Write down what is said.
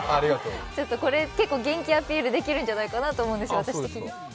ちょっとこれ元気アピールできるんじゃないかなと思うんですよ。